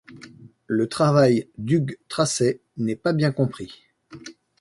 Le travail d'Hugh Tracey n'est pas bien compris.